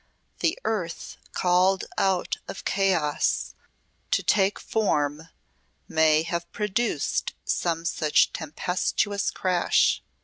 "The earth called out of chaos to take form may have produced some such tempestuous crash.